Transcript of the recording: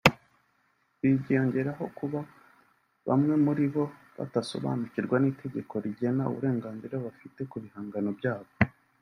Ibi byiyongeraho kuba bamwe muri bo batasorabanukirwa n’itegeko rigena uburenganzira bafite ku bihangano byabo